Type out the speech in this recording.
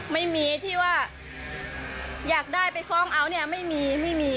ไม่มีที่ว่าอยากได้ไปฟอร์มเอาท์เนี่ยไม่มี